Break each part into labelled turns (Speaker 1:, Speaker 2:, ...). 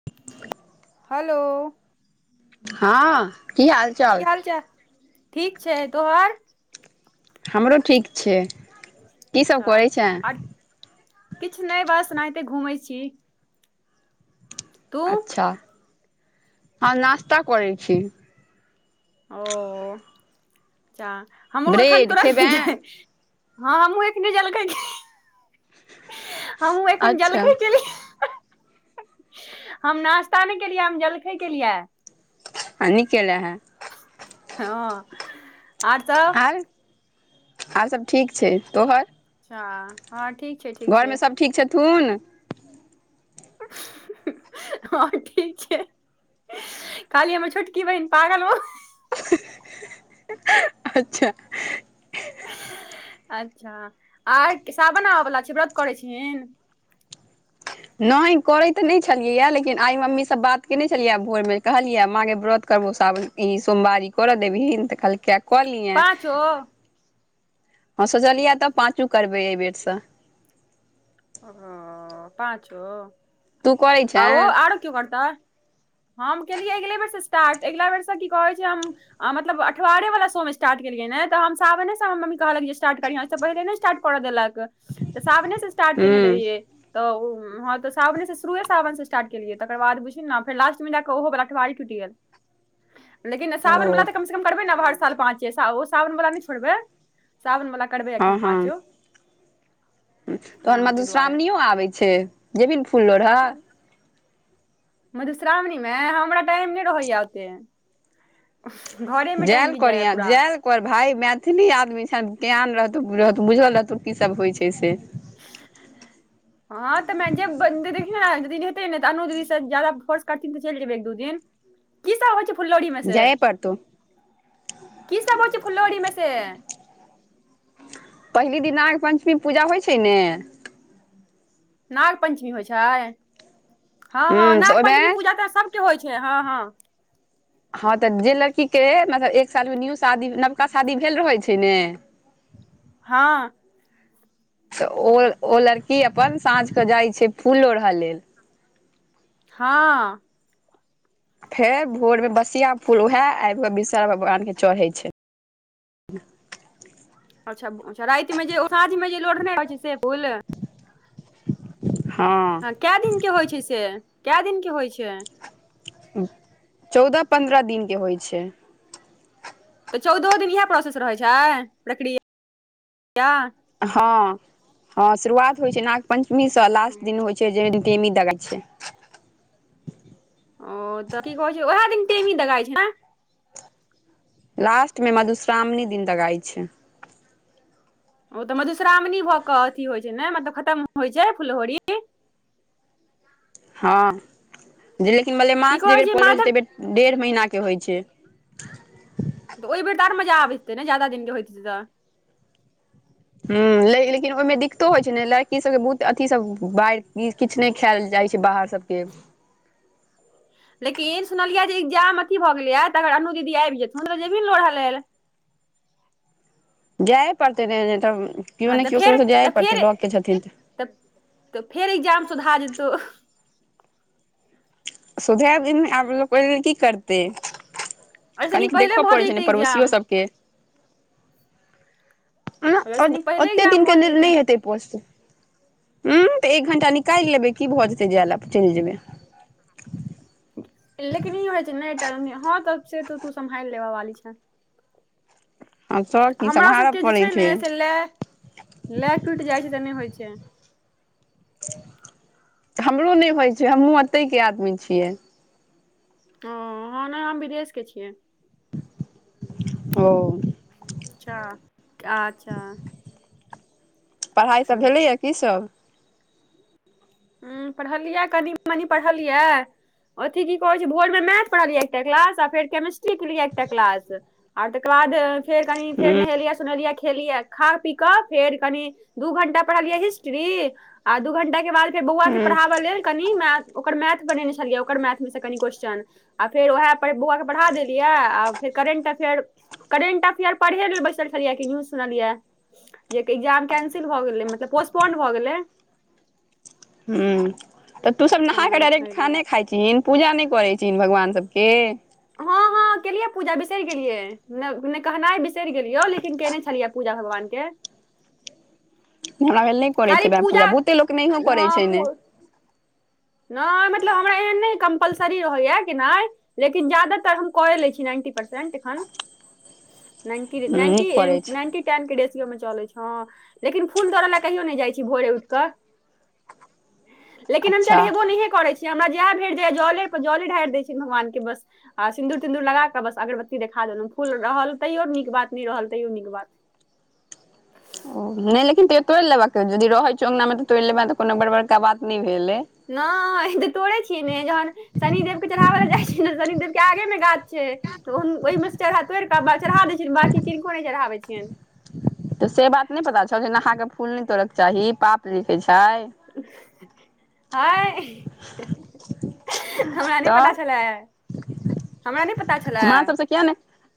Speaker 1: [inaudible]
Speaker 2: Hello
Speaker 1: हाँ की हाल
Speaker 2: की हाल चाल, ठीक छै तोहर?
Speaker 1: हमरो ठीक छै। की सब
Speaker 2: अच्छा!
Speaker 1: करै छै
Speaker 2: आ किछु नहि बस ओनाहिते घूमैत छी। तू
Speaker 1: अच्छा! हम नास्ता करै छी।
Speaker 2: ओ अच्छा! हमहु एखन
Speaker 1: ब्रेड
Speaker 2: तुरंत
Speaker 1: खेबै
Speaker 2: जे हँ हमहुँ एखने जलखै के हमू एखैन
Speaker 1: अच्छा
Speaker 2: जलखैय केली हम नाास्ता नहि केलियै, हम जलखै केलियै।
Speaker 1: सही केलै है।
Speaker 2: हँ, आर सब?
Speaker 1: आइ आर सब ठीक छै, तोहर
Speaker 2: अच्छा! हँ ठीक छै, ठीक छै
Speaker 1: घरमे सब ठीक छथुन?
Speaker 2: हँ ठीक छै। खाली हमर छोटकी बहिन पागल भ गेलै।
Speaker 1: अच्छा!
Speaker 2: अच्छा! और सावन आबय बला छै, व्रत करैत छीहीन।
Speaker 1: नहि करै तऽ नहि छलियैए, लेकिन आइ मम्मी सँ बात कयने छलियै भोरमे कहलियै माँ गै व्रत करबौ सावन, इ सोमवारी करऽ देबहिन तऽ कहलकै क लिहें,
Speaker 2: पाँचो
Speaker 1: ह सोचलियै तऽ पाँचो करबै एहि बेेरसँ।
Speaker 2: ओ पाँचो,
Speaker 1: तू करै
Speaker 2: आ ओ
Speaker 1: छें
Speaker 2: आरो कियो करतै? हम केलियै अगिले बेर सँ स्टार्ट, अगिला बेर सँ की कहै छै हम आ मतलब अठबारे वला सोम स्टार्ट केलियै ने, त हम साबने सँ मम्मी के कहलियै जे स्टार्ट करिहें ओइ से पहिने नहि स्टार्ट करऽ देलक, त साबने से स्टार्ट केने
Speaker 1: हूँ
Speaker 2: रहियै तऽ हँ तऽ सावने सँ शुरुए सावन सँ स्टार्ट केलियै, तकर बाद बुझही ने फेर लास्टमे जा कऽ ओहो बलाअठवारी टूटि गेल। लेकिन सावन
Speaker 1: ओ
Speaker 2: वला तऽ कम सँ कम करबै ने, हर साल पाँचो ओ साावन बला नहि छोड़बै। साबन बला करबै
Speaker 1: हँ
Speaker 2: एखन
Speaker 1: हँ
Speaker 2: पाँचो।
Speaker 1: तहन
Speaker 2: हँ ताहि दुआरे
Speaker 1: मधुश्रावणियो आबै छै, जेबही ने फूल लोढ़ऽ।
Speaker 2: मधुश्रावणी मे हमरा टाइम नहि रहैये ओतेक।
Speaker 1: जायल
Speaker 2: बीत जाइया
Speaker 1: करिहे,
Speaker 2: पूरा
Speaker 1: जायल ओकर भाय मैथिली आदमी छे, ज्ञान रहतौ बुझल रहतौ की सब होइ छै से। [inaudible]
Speaker 2: हँ तऽ जेबे देखियौ, ने यदी हेतै ने तऽअनू दीदी सब ज्यादा फोर्स करथिन तऽ चलि जेबै एक दू दिन। की सब होइ छै फुललोढ़ी में से,
Speaker 1: जाये पड़तौ
Speaker 2: की सब होइ छै फुलोढ़ी में से?
Speaker 1: पहिले दिन नाग पञ्चमी के पूजा होइ छै ने।
Speaker 2: नाग पञ्चमी होइ छै, हँ, हँ
Speaker 1: हूँ तऽ
Speaker 2: नाग
Speaker 1: ओहिमे
Speaker 2: पंचमी पूजा तऽ सभ के होइ छै, हँ, हँ।
Speaker 1: हँ तऽ जे लड़की के मतलब एक साल मे, न्यू शादी नवका शादी भेल रहैत छै ने।
Speaker 2: हँ।
Speaker 1: तऽ ओ ओ लड़की अपन साँझ के जाइ छै फूल लोढ़ऽ लेल।
Speaker 2: हँ।
Speaker 1: फेर भोर में बसिया फूल उहे आबि के विषहारा भगवान के चढ़ै छै। [inaudible]
Speaker 2: अच्छा! अच्छा! राति मे जे साँझं में जे लोढ़ने रहइ छै से फूल।
Speaker 1: हँ
Speaker 2: कै दिनके होइत छै, से कै दिनके होय छै
Speaker 1: चौदह पन्द्रह दिनके होय छै।
Speaker 2: तऽ चौदहो दिन इहे प्रोसेस रहैत छै प्रक्रिया
Speaker 1: हँ हँ शुरुआत होइ छै नाग पंचमी सँ लास्ट दिन होइ छै जाहि दिन टेमी दगाइ छै
Speaker 2: ओ तऽ की कहै छै ओहे दिन टेमी दगाई छै नें।
Speaker 1: लास्ट मे मधुश्रावणी दिन दगाइ छै।
Speaker 2: ओ तऽ मधुश्रावणी भऽ के अथी होइ छै ने मतलब खतम होइ छै फुललोहड़ी
Speaker 1: हँ जे लेकिन
Speaker 2: की
Speaker 1: मलेमास जहि
Speaker 2: कहै
Speaker 1: बेर पड़ल रहै छै
Speaker 2: माधव
Speaker 1: तहि बेर डेढ़ महीना के होय छै।
Speaker 2: तऽ ओहि बेर तऽ आर मजा आबैत हेतै ने जादा दिन के होइत हेतै तऽ
Speaker 1: हूं लेकिन ओहिमे दिक्कतो होइ छै ने लड़की सबके बहुत अथी सब बाहरी चीज किछ नहि खायल जाइ छै बाहर सबके
Speaker 2: लेकिन सुनलियै जे एग्जाम अथी भऽ गेलैये त अगर अनु दीदी आबि जेथुन त जेबही लोरहै लेल।
Speaker 1: जेए पड़तै ने नहि तऽ केयो नहि केयो ककरो तऽ जाइये पड़तै लगके छथिन तऽ
Speaker 2: त तऽ फेर एग्जाम सोधा जेतौ
Speaker 1: सोधै दहीन आब लोक ओय लेल की करतै
Speaker 2: ओहिसँ नीक
Speaker 1: कनिक
Speaker 2: पहिले
Speaker 1: देखहो
Speaker 2: भऽ
Speaker 1: पड़ै छै ने
Speaker 2: जैतै
Speaker 1: पड़ोसियो
Speaker 2: एग्जाम
Speaker 1: सबके [inaudible]
Speaker 2: ओहिसँ नीक पहिले
Speaker 1: ओते दिन
Speaker 2: एग्जाम
Speaker 1: के
Speaker 2: भऽ
Speaker 1: लेल
Speaker 2: जैतै
Speaker 1: नहि हेतै [unintelligible] ऊ तऽ एक घंटा निकालि लेबै की भऽ जेतै जाय लै चलि जेबै
Speaker 2: लेकिन ई होय छै ने तऽ नहि हँ तऽ से त तू सम्हारि लेबऽ वाली छें।
Speaker 1: आ सब की
Speaker 2: हमरा सब
Speaker 1: सम्हारऽ
Speaker 2: के जे
Speaker 1: पड़ै
Speaker 2: छै ने से लै लै टूटि जाए छै तऽ नहि होए छै।
Speaker 1: हमरो नहि होय छै हमहुँ एतै के आदमी छियै।
Speaker 2: हऽ ह ने हम विदेश के छियै
Speaker 1: ओ
Speaker 2: अच्छा [inaudible]
Speaker 1: पढ़ाइ सब भेलैए की सब
Speaker 2: ह्म पढ़ल यै कनि-मनि पढ़ल यै अथि की कहै छै भोर मे मैथ पढ़लियै एकटा क्लास आ फेर केमिस्ट्री केलियै एकटा क्लास आर तकर बाद फेर कनि फेर नहेलियै सुनेलियै खै खेलियै खा पी क फेर कनि दू घंटा पढ़लियै हिस्ट्री आ दू घंटा के बाद फेर बौआ के
Speaker 1: हूँ
Speaker 2: पढ़ाबऽ लेल कनि मै ओकर मैथ बने छलियै ओकर मैथ मे से कनि क्वेश्चन आ फेर ओहे पर बौआके बढ़ा देलियै आ फेर करेंट त फेर करेंटफेयर पढ़हे लेल बैसल छलियै कि न्यूज सुनलियै जय के एकग्जाम कैंसिल भ गेलै मतलब पोस्पोंड भऽ गेलै
Speaker 1: हूँ तऽ तू सब
Speaker 2: हँ
Speaker 1: नहाकऽ डायरेक्ट
Speaker 2: ताहि दुआरे
Speaker 1: खाने खाइ छहिन पूजा नहि करै छहिन भगवान सबके
Speaker 2: हँ हँ केलियै पूजा बिसरि गेलियै नै कहनाइ बिसरि गेलियो लेकिन केयने छलियै पूजा भगवान के
Speaker 1: हमरा बैर नहि करैत हैबै पूजा बहुते लोक नहियो करै
Speaker 2: हँ
Speaker 1: छै
Speaker 2: पू
Speaker 1: ने
Speaker 2: नहि मतलब हमरा एहन नहि कम्पलसरी रहैया कि नहि लेकिन ज्यादातर हम कयै लै छी नाइन्टी परसेंट एखन न्टी
Speaker 1: हूँ
Speaker 2: नन्टी
Speaker 1: नीक करै छै
Speaker 2: नन्टी टाइम के रेसियो मे चलै छ लेकिन फूलतोड़ऽ ल कहियो नहि जाइ छी भोरे उठ कऽ लेकिन हम
Speaker 1: अच्छा
Speaker 2: चढ़ेबो नहिहे करै छियै हमरा जेह भेट जाय जले पर जले ढारि दै छियनि भगवान के बस आ सिंन्दूर तिन्दूर लगा कऽ बस अगरबत्ती देखा देलहुँ फूल रहल तैयो नीक बात नहि रहल तैयो नीक बात।
Speaker 1: ओ, नहि लेकिन तइयो तोड़ि लेबा यदि रहै छौ अँंगना मे तऽ तोड़ि लेबा तऽ कोनो बड़ बड़का बात नहि भेलै।
Speaker 2: नहि तऽ तोड़े छियै ने जहन शनिदेव के चढ़ाबै लए जाइ छियै ने शनिदेव के आगे मे गाछ छै। तऽ ओहिमेसँ चढ़ा तोड़ि कऽ चढ़ा दैत छियनि बाँकी किनको नहि चढ़ाबैत छियनि।
Speaker 1: तऽ से बात नहि पता छौ जे नहा क फूल नहि तोड़यके चाही पाप लिखैत छै।
Speaker 2: हय। हमरा नहि
Speaker 1: तऽ
Speaker 2: पता छलै हमरा नहि पता छलै।
Speaker 1: तऽ किया नहि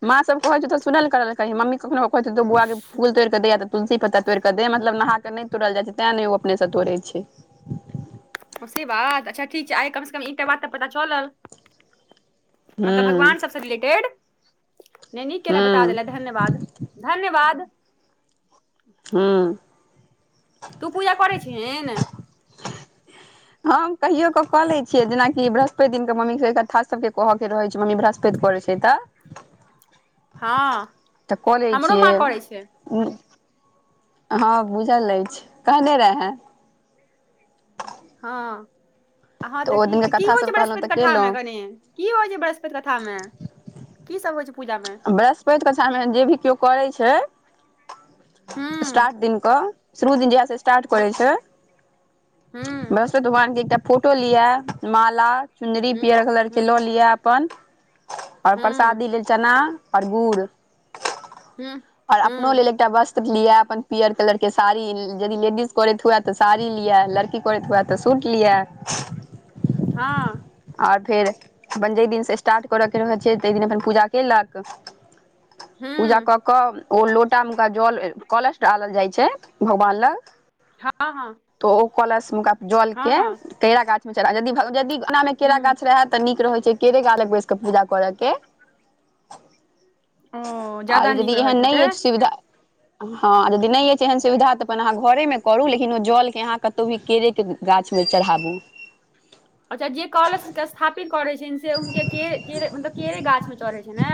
Speaker 1: माँ सब कहै छै सुनल करल करही मम्मी कखनो कहैत हेतौ बौआ गयी तुलसी पत्ता तोड़ कऽ दे मतलब नहा नहि तोड़ल जाइ छै तें ने ओ अपने से तोड़ै छै।
Speaker 2: ओ से बात अच्छा ठीक छै आइ कम से कम इकटा बात तऽ पता चलल। मतलब
Speaker 1: हूँ
Speaker 2: भगवान सबसँ रिलेटेड नहि नीक केल
Speaker 1: हूँ
Speaker 2: बता देल धन्यवाद। धन्यवाद।
Speaker 1: हुं।
Speaker 2: तू पूजा करै छहीन।
Speaker 1: हम कहियो क क ले छीयै जेना की बृहस्पति दिन के मम्मी के कथा सब के कह के रहे छै मम्मी बृहस्पति करे छै। [unintelligible]
Speaker 2: हँ
Speaker 1: तऽ कऽ लै
Speaker 2: हमरो
Speaker 1: छिय।
Speaker 2: माँ करै छै
Speaker 1: हँ बुझल अछि कहने रहै।
Speaker 2: हँ हँ तऽ
Speaker 1: ओ
Speaker 2: की
Speaker 1: दिनके
Speaker 2: की
Speaker 1: कथा
Speaker 2: होइ छै
Speaker 1: सब कहलहुँ
Speaker 2: बृहस्पति
Speaker 1: तऽ
Speaker 2: कथा मे
Speaker 1: केलहुँ
Speaker 2: कनी। की होइ छै बृहस्पति कथा मे की सब होइ छै पूजा मे।
Speaker 1: बृहस्पतिक कथा मे जे भी केओ करै छै
Speaker 2: हूँ
Speaker 1: स्टार्ट दिन कऽ। शुरू दिन जहिया स स्टार्ट
Speaker 2: हूँ
Speaker 1: करे छै
Speaker 2: हूँ
Speaker 1: बृहस्पत भगवान के एकटा फोटो लिअ माला, चुन्दरी,
Speaker 2: हूँ हूँ
Speaker 1: पीयर कलरके
Speaker 2: हूँ
Speaker 1: लऽ लिअ अपन। आओर
Speaker 2: हूँ हूँ
Speaker 1: प्रसादी लेल चना और गुड़।
Speaker 2: हँ हूँ
Speaker 1: और अपनो
Speaker 2: हँ
Speaker 1: लेल एकटा वस्त्र लिय अपन पियर कलर के साड़ी यदि लेडीज करैत हुए तऽ साड़ी लिय लड़की की करैत हुआ तऽ सुट लिया।
Speaker 2: हँ।
Speaker 1: आ फेर अपन जाहि दिनसँ स्टार्ट करयके रहै छै ताहि दिन अपन पूजा कयलक। पूजा
Speaker 2: हँ
Speaker 1: कऽ कऽ ओ लो लोटा मुका जल कलश डालल जाय छैय भगवान लग।
Speaker 2: हँ हँ।
Speaker 1: तो ओ कलश मुका जल के केरा गाछ मे चढ़ा यदि भ यदि एना मे केरा
Speaker 2: हूँ
Speaker 1: गाछ रहे तऽ नीक रहै छैय केरे गाछ लग बैस क पूजा करऽ के।
Speaker 2: ओ
Speaker 1: आ
Speaker 2: ज्यादा नीक
Speaker 1: यदि
Speaker 2: रहैत
Speaker 1: एहन नहि
Speaker 2: हेतै
Speaker 1: अछि सुविधा हँ यदि नहि अछि एहन सुविधा तऽ अपन अहाँ घरेमे करू लेकिन ओ जलके अहाँ क त भी केरेके गाछमे चढ़ाबू।
Speaker 2: अच्छा जे कलश के स्थापित करय छत्तीन से हुनके केरे केरे मतलब केरे गाछ मे चढ़य छैय ने।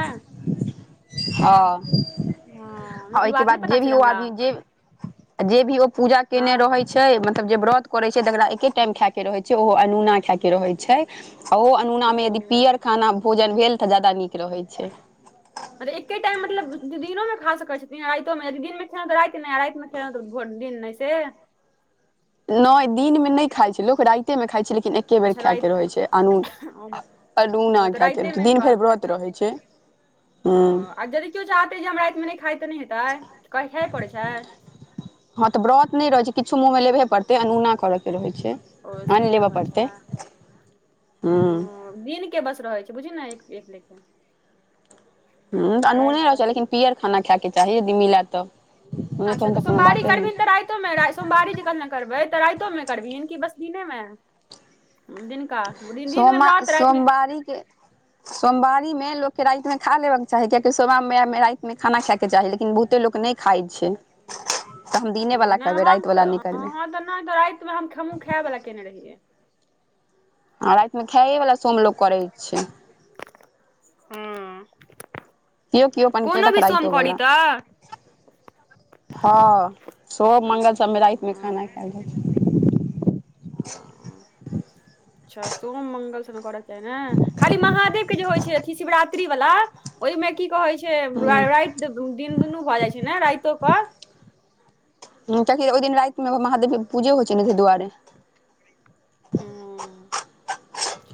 Speaker 1: हँ,
Speaker 2: हँ
Speaker 1: आ
Speaker 2: ई
Speaker 1: ओहिके
Speaker 2: बात नहि
Speaker 1: बाद
Speaker 2: पता
Speaker 1: जे भी
Speaker 2: छलै
Speaker 1: ओ
Speaker 2: हमरा
Speaker 1: आदमी जे आ जे भी ओ पूजा केने
Speaker 2: हँ
Speaker 1: रहय छैय मतलब जे व्रत करय छैय तकरा एके टाइम खायके रहै छैय ओहो अनुना खायके रहै छैय। आ ओहो अनुनामे यदि
Speaker 2: ओहो
Speaker 1: पीयर खाना भोजन भेल तऽ ज्यादा नीक रहै छैय।
Speaker 2: अरे एके टाइम मतलब दिनोमे खा सकै छथिन्ह रातियो मे यदि दी न तऽ रति नहि आ राति मे खेलहु तऽ भोर दिन नहि से।
Speaker 1: नैय, दिनमे नहि खाय छैय लोक, राइते मे खाइ छैय, लेकिन एक् एके बेर
Speaker 2: अच्छा
Speaker 1: खैयके
Speaker 2: राति
Speaker 1: रहै छैय अनून,
Speaker 2: ओ मत-
Speaker 1: अनूना
Speaker 2: ओ तऽ
Speaker 1: खैयके
Speaker 2: राइते मे
Speaker 1: दिन भरि व्रत
Speaker 2: खायके
Speaker 1: रहै छैय।
Speaker 2: ओ, आ जदि कियो चाहतेै जे हम रातिमे नहि खाय तऽ नहि हेतै? कैह खैय पड़ै छैय?
Speaker 1: हँ तऽ व्रत नहि रहै छैय, किछो मुँहमे लेबहे पड़तै अनूना करयके रहैत छैय।
Speaker 2: ओ से
Speaker 1: अन लेबऽ
Speaker 2: रहै
Speaker 1: पड़तै,
Speaker 2: छै
Speaker 1: हँ।
Speaker 2: दिन के बस रहै छैय, बुझू ने एक-एक लेखे।
Speaker 1: ह तऽ अनूने होय
Speaker 2: रातिके
Speaker 1: छैय,
Speaker 2: नहि
Speaker 1: लेकिन पीयर खाना खायके चाही यदि मिलय तऽ। नहि
Speaker 2: अच्छा
Speaker 1: तहन
Speaker 2: तऽ
Speaker 1: कोनो
Speaker 2: सोमवारी
Speaker 1: बाते
Speaker 2: करबिन्त
Speaker 1: नहि
Speaker 2: राइ तुम राइ सोमवारी जे कहलें करबै, तऽ राइतो मे करबीहि कि बस दिने में? उम्म दिन दिनमे
Speaker 1: सोमा
Speaker 2: व्रत रातिमे
Speaker 1: सोमवारी के सोमवारी में लोक के राईत मे खा लेबे के चाही कियाकि सोमा मैया में राइत मे खाना खाय के चाही, लेकिन बहुते लोक नैय खाइ छै तऽ हम दिने
Speaker 2: ओ,
Speaker 1: वला
Speaker 2: नहि
Speaker 1: करबै, राइत वला नैय करबै।
Speaker 2: हम बना क राइत त हम-हमहुँ खाय बला केने रहियै।
Speaker 1: आ राइत में खाइए वला सोम लोक करै छै।
Speaker 2: ह्म्म।
Speaker 1: कियो-कियो अपन केलक राइतो बला।
Speaker 2: तऽ
Speaker 1: हँ, सोम मंगल
Speaker 2: अच्छा
Speaker 1: सबमे राइत मे खाना
Speaker 2: हँ
Speaker 1: खैएल जाइ छै।
Speaker 2: हँ, अच्छा सोम मंगल स ने करऽके चाही ने, खाली महादेव के जे होइ छै अथी शिवरात्रि वला ओइ मे की कहै छै? र-राइत दिन दुनू भऽ जाइ छै ने, राइतो क
Speaker 1: ह्म्म कियैकि ओइ दिन राइत मे महादेव के पूजे होइ छै ने, तहि दुआरे।
Speaker 2: हूम्म।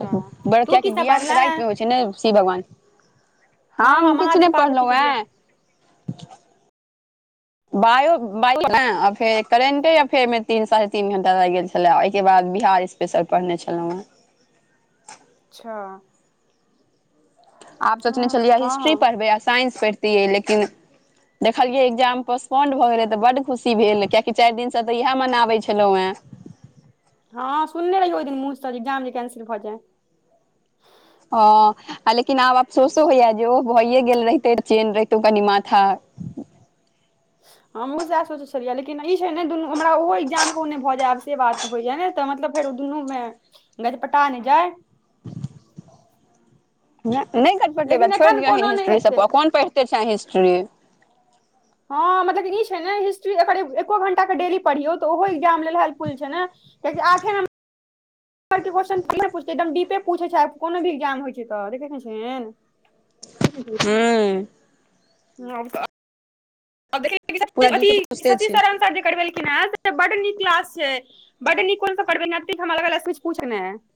Speaker 1: बड़ कियैकि बियाह के
Speaker 2: पढ़ले हैं
Speaker 1: राइत मे होइ छै ने, शिव भगवान
Speaker 2: हँ हँ
Speaker 1: हाॅम किछु नहि
Speaker 2: महादेव पार्वती
Speaker 1: पढ़लौं
Speaker 2: के बियाह
Speaker 1: हें? बायो-बायो के ने, फेर करेंटे अफेर तीन साढ़े तीन घंटा लाइग गेल छलाऽ, ओइ के बाद बिहार स्पेशल पढ़ने छलौं हेँ।
Speaker 2: अच्छा।
Speaker 1: आब सोचने
Speaker 2: हँ
Speaker 1: छलियै
Speaker 2: हँ
Speaker 1: हिस्ट्री
Speaker 2: हँ
Speaker 1: पढ़बै आ साइंस पढ़ितियै लेकिन देखलियै एकग्जाम पोस्पोंड भऽ गेलै तऽ बड खुशी भेल, कियैकि चाइर दिनसँ तऽ इहै मनाबै छलौं हें।
Speaker 2: हँ सुनने रहियौ ओइ दिन मुँह सॅ जे एग्जाम जे कैंसिल भऽ जाइ।
Speaker 1: हँ, लेकिन आब अफसोसो होइये जे ओह भइये गेल रहितै त चेन रहितौं कनि माथा
Speaker 2: हमहुँ सैऽह सोचै छलियै, लेकिन ई छै ने दुनू हमरा ओहो एग्जाम कहूँ नैय भऽ जाय, आब से बात। त होइयाऽ ने तऽ मतलब फेर ओ दुनू मे गजपटा ने जाय?
Speaker 1: नै-नै गजपटेबैं,
Speaker 2: लेकिन
Speaker 1: छोइड़
Speaker 2: एखन
Speaker 1: दियहिन
Speaker 2: कोनो नहि
Speaker 1: हिस्ट्री सब
Speaker 2: हेतै
Speaker 1: प, कोन पढ़िते छैं हिस्ट्री?
Speaker 2: हँ, मतलब कि ई छै ने, हिस्ट्री एकर-एग-एको घंटाके डेली पढ़ियौ तऽ ओहो एग्जाम लेल हेल्पफुल छै ने कियैकि आठे नंब बर के क्वेशचन [unintelligible] पूछतै एकदम डीपे पूछै छै आब कोनो भी एग्जाम होइ छै तऽ, देखे नै छिहीन?
Speaker 1: हम्म।
Speaker 2: [unintelligible]
Speaker 1: पूरा डीपे पूछते
Speaker 2: सतीश
Speaker 1: छै
Speaker 2: सर आंसर जे करबेलखिन हें बड नीक क्लास छै बड नीक [unintelligible] [unintelligible]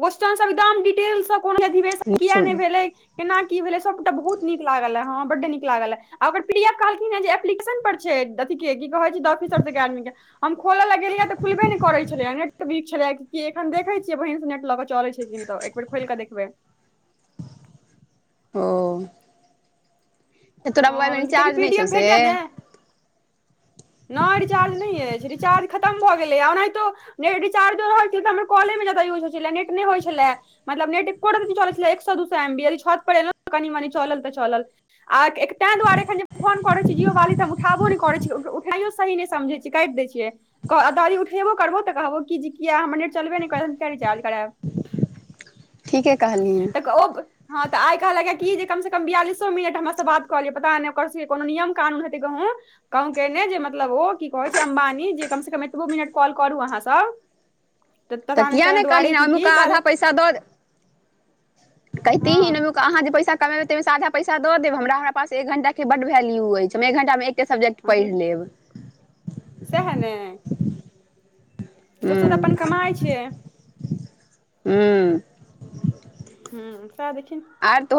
Speaker 2: कोश्चन सब एकदम डिटेल स कोनो भी अधिवेशन
Speaker 1: नीक
Speaker 2: कियैऽ
Speaker 1: छोड़ू
Speaker 2: नइ भेलै? केना की भेलै? सबटा बहुत नीक लागल लय, हां बड्ड नीक लागल लय, ओकर पी डी एफ कहलखिन हें जे एप्लिकेशन पर छै दथी के कि कहय छै? द ऑफिसर्स ऐकैडमी के, हम खोलऽ लैऽ गेलियै तऽ खुलबे नै करय छलै, ऐ नेट वीक छलै कि की? एखन देखै छियै बहिन स नेट लऽ कऽ चलै छै कि नैय? एक बेर खोइल कऽ देखबै।
Speaker 1: ओ तऽ तोरा मोबाइलमे
Speaker 2: हं, किएकि
Speaker 1: रिचार्ज नहि छौ
Speaker 2: पीडीएफ
Speaker 1: से
Speaker 2: भेंट जैत ने नै रिचार्ज नै ऐछ, रिचार्ज खतम भ गेलैया। ओनाहितो ने रिचार्जो रहै तैयो त हमर कॉलेमे जादा यूज होइ छला नेट नै होइ छला मतलब नेट एकोरती नै चलै छलै एक स दू स एम बी, यदि छत पर एलौ त कनि मनी चलल त चलल आ तैं दुआरे एखन जे फोन करै छी जीओ वाली त हम उठाबो नै करैत छी उठाइयो सही नै समझै छियै काटि दै छियै। कह यदि उठेबो करबौ त कहबौ कि जे किए हमर नेट चलबे नै करत, कियै रिचार्ज कराएब।
Speaker 1: [inaudible] ठीके कहलिन
Speaker 2: [inaudible] तक बा ओ हं त आइ कहलकए कि जे कम सं कम बियालिसो मिनट हमरासं बात कहलियै पता नै ओकर सबके कोनो नियम कानून हेतै कहूं कम केने छै मतलब ओ की कहय छै अम्बानी जे कम सं कम एतबो मिनट कॉल करू अहाँसब।
Speaker 1: [inaudible] त किए नै कहलही
Speaker 2: की
Speaker 1: अन्नूके
Speaker 2: कहल
Speaker 1: आधा पैसा द दे कहितही
Speaker 2: हँ
Speaker 1: ने रू त अहाँ जे पैसा कमेबै तै मे सं आधा पैसा द देब हमरा, हमरा पास एक घंटाके बड्ड वैल्यू अछि। हम एक घंटामे एक ते सब्जेक्ट पढ़ि लेब।
Speaker 2: सैह ने? ओ सब त
Speaker 1: हूँ
Speaker 2: अपन कमाइ छै।
Speaker 1: हं
Speaker 2: हुं सैह देखहीन।
Speaker 1: आर तोहर